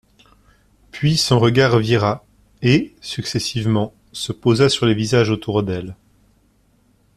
Puis son regard vira, et, successivement, se posa sur les visages autour d'elle.